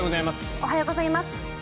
おはようございます。